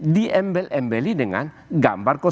diembel embeli dengan gambar